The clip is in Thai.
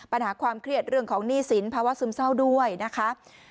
ปัญหาความเครียดเรื่องของหนี้สินภาวะซึมเศร้าด้วยนะคะ